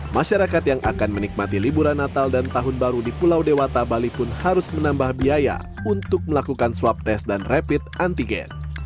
masyarakat yang akan menikmati liburan natal dan tahun baru di pulau dewata bali pun harus menambah biaya untuk melakukan swab test dan rapid antigen